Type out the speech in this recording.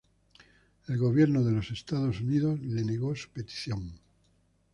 El gobierno de los Estados Unidos le negó su petición.